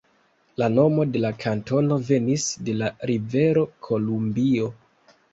La nomo de la kantono venis de la rivero Kolumbio.